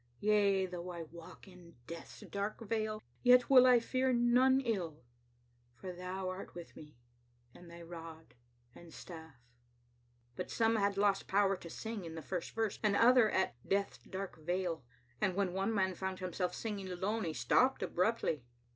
"•Yea, though I walk in Death's dark vale. Yet will I fear none ill ; For Thou art with me ; and Thy rod And stafiE " But some had lost the power to sing in the first verse, and others at "Death's dark vale," and when one man found himself singing alone he stopped abruptly.